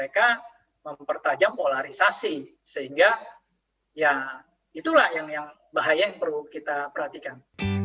mereka mempertajam polarisasi sehingga ya itulah yang bahaya yang perlu kita perhatikan